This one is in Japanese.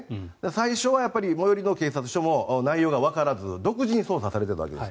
最初は最寄りの警察署も内容がわからず独自に捜査されていたわけです。